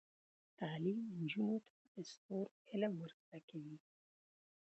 تعلیم نجونو ته د ستورو علم ور زده کوي.